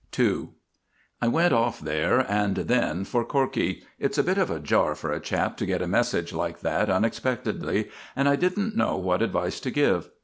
II I went off there and then for Corkey. It's a bit of a jar for a chap to get a message like that unexpectedly, and I didn't know what advice to give.